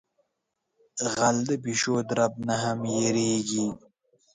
غل د پیشو درب نہ ھم یریگی.